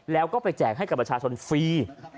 แล้วก็ไปแจกให้บัชชาชนฟรี